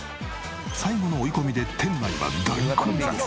最後の追い込みで店内は大混雑。